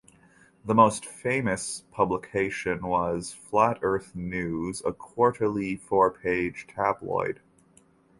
The most famous publication was "Flat Earth News," a quarterly, four-page tabloid.